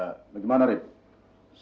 nah bagaimana riff